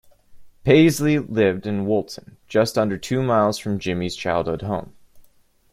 Paisley lived in Woolton, just under two miles from Jimmy's childhood home.